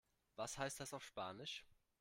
Was heißt das auf Spanisch?